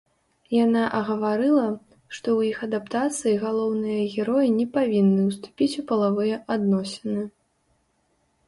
Яна агаварыла, што ў іх адаптацыі галоўныя героі не павінны ўступіць у палавыя адносіны.